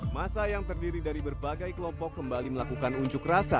masa yang terdiri dari berbagai kelompok kembali melakukan unjuk rasa